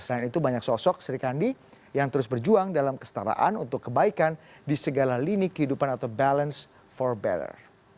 selain itu banyak sosok sri kandi yang terus berjuang dalam kestaraan untuk kebaikan di segala lini kehidupan atau balance for better